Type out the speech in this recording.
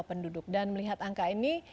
penduduk dan melihat angka ini